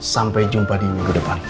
sampai jumpa di minggu depan